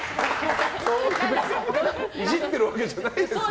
イジってるわけじゃないですよ